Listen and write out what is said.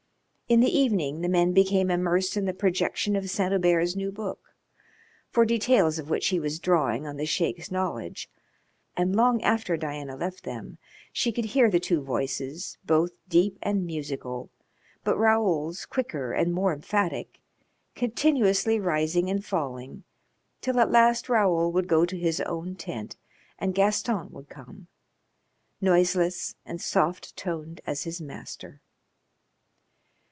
In the evening the men became immersed in the projection of Saint Hubert's new book, for details of which he was drawing on the Sheik's knowledge, and long after Diana left them she could hear the two voices, both deep and musical, but Raoul's quicker and more emphatic, continuously rising and falling, till at last Raoul would go to his own tent and Gaston would come noiseless and soft toned as his master.